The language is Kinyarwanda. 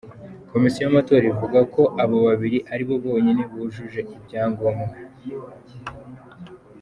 Komisiyo y’amatora ivuga ko abo babiri aribo bonyine bujuje ibyangombwa.